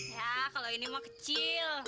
ya kalau ini mau kecil